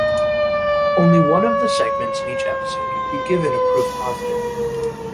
Only one of the segments in each episode would be given a proof positive.